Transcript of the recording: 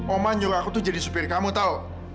oma nyuruh aku tuh jadi supir kamu tau